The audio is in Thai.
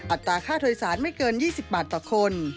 ตราค่าโดยสารไม่เกิน๒๐บาทต่อคน